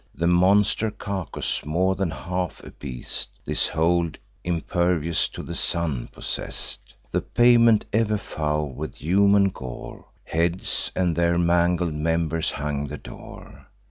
The monster Cacus, more than half a beast, This hold, impervious to the sun, possess'd. The pavement ever foul with human gore; Heads, and their mangled members, hung the door.